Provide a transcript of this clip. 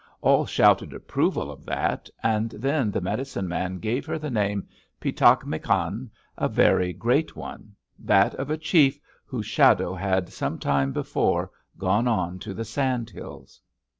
All shouted approval of that, and then the medicine man gave her the name, Pi´ ta mak an, a very great one, that of a chief whose shadow had some time before gone on to the Sand Hills.